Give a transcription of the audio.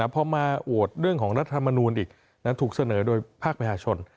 พอมาโหวตเรื่องของรัฐธรรมนูลอีกถูกเสนอโดยภาคประชาชน